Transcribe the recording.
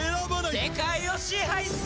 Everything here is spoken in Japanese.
世界を支配する！